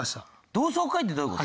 同窓会ってどういう事？